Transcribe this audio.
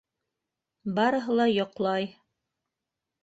Барыһы ла йоҡлай.